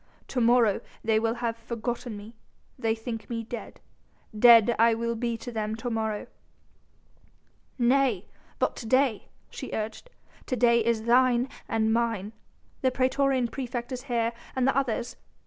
To morrow they will have forgotten me ... they will think me dead ... dead will I be to them to morrow." "Nay! but to day," she urged, "to day is thine and mine.... The praetorian praefect is here and the others ...